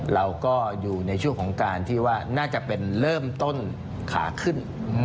เราก็อยู่ในช่วงของการที่ว่าน่าจะเป็นเริ่มต้นขาขึ้น